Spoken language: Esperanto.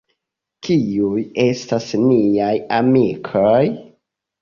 Kiuj estas niaj amikoj?